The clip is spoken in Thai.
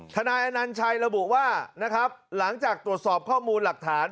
นายอนัญชัยระบุว่านะครับหลังจากตรวจสอบข้อมูลหลักฐาน